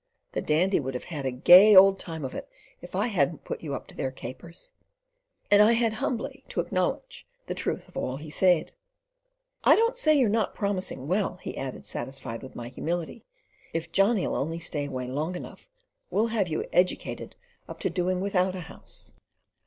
"The Dandy would have had a gay old time of it if I hadn't put you up to their capers"; and I had humbly to acknowledge the truth of all he said. "I don't say you're not promising well," he added, satisfied with my humility. "If Johnny'll only stay away long enough, we'll have you educated up to doing without a house."